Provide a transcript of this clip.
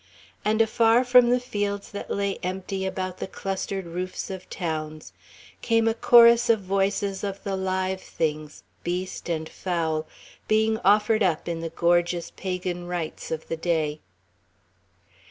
And afar from the fields that lay empty about the clustered roofs of towns came a chorus of voices of the live things, beast and fowl, being offered up in the gorgeous pagan rites of the day.